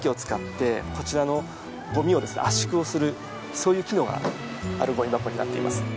そういう機能があるごみ箱になっています。